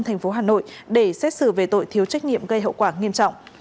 tp hà nội để xét xử về tội thiếu trách nhiệm gây hậu quả nghiêm trọng